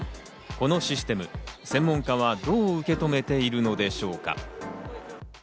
このシステム、専門家はどう受け止めているのでしょうか。